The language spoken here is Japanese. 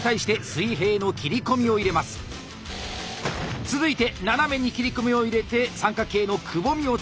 続いて斜めに切り込みを入れて三角形のくぼみを作ります。